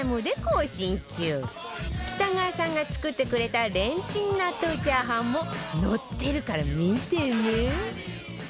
北川さんが作ってくれたレンチン納豆チャーハンも載ってるから見てね